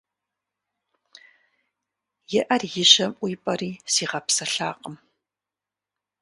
И Ӏэр и жьэм ӀуипӀэри сигъэпсэлъакъым.